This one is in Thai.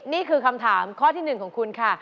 นี่คือคำถามข้อที่๑ของคุณค่ะ